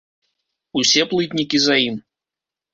Усе плытнікі за ім.